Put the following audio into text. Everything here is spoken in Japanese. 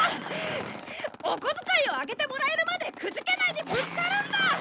おこづかいを上げてもらえるまでくじけないでぶつかるんだ！